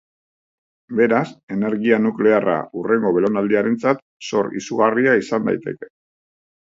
Beraz, energia nuklearra hurrengo belaunaldientzat zor izugarria izan daiteke.